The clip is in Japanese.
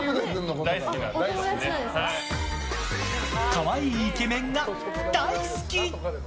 可愛いイケメンが大好き！